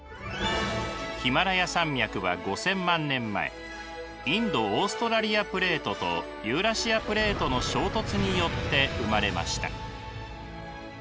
ヒマラヤ山脈は５，０００万年前インド・オーストラリアプレートとユーラシアプレートの衝突によって生まれました。